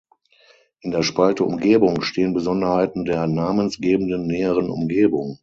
In der Spalte "Umgebung" stehen Besonderheiten der (namensgebenden) näheren Umgebung.